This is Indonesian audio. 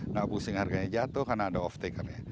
nggak pusing harganya jatuh karena ada off taker